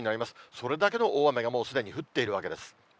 それだけの大雨がもうすでに降っているわけです。